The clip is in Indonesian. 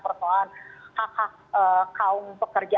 persoalan hak hak kaum pekerja